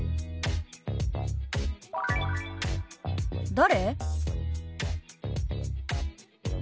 「誰？」。